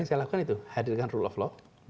yang saya lakukan itu menghadirkan rule of law